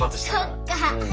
そっか。